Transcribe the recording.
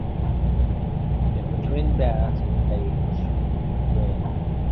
If a twin bathed in a lake or stream, it would rain.